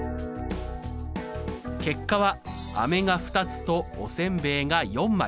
結果は飴が２つとおせんべいが４枚。